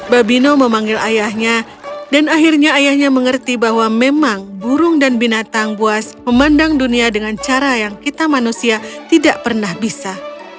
babino memanggil ayahnya dan akhirnya ayahnya mengerti bahwa memang burung dan binatang buas memandang dunia dengan cara yang kita manusia tidak pernah bisa